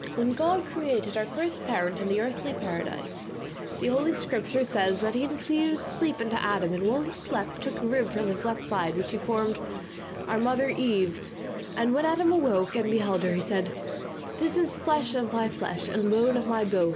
"When God created our first parent in the earthly paradise, the Holy Scripture says that he infused sleep into Adam and while he slept took a rib from his left side of which he formed our mother Eve, and when Adam awoke and beheld her he said, 'This is flesh of my flesh, and bone of my bone.